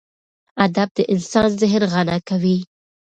ادب د انسان ذهن غنا کوي.